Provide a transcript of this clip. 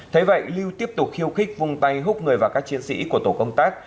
thế vậy lưu tiếp tục khiêu khích vùng tay hút người và các chiến sĩ của tổ công tác